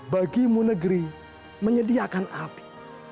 bagimu negeri menyediakan api